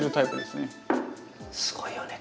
すごいよね